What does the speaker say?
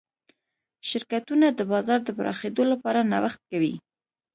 شرکتونه د بازار د پراخېدو لپاره نوښت کوي.